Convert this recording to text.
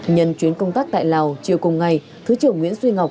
nhân chuyến công tác tại lào chiều cùng ngày thứ trưởng nguyễn duy ngọc